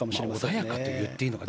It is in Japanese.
穏やかといっていいのか。